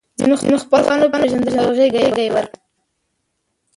ځینو خپل خپلوان وپېژندل او غېږه یې ورکړه